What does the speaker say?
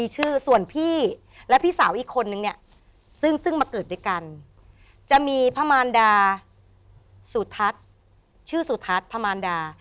สุทัศน์ชื่อสุทัศน์พมันดา